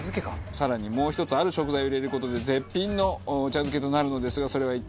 更にもう１つある食材を入れる事で絶品のお茶漬けとなるのですがそれは一体なんでしょう？